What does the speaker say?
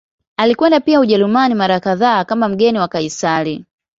Alikwenda pia Ujerumani mara kadhaa kama mgeni wa Kaisari.